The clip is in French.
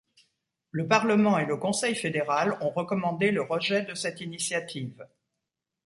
Le parlement et le Conseil fédéral ont recommandé le rejet de cette initiative.